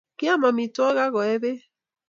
Kiam amitwogik ak koe bek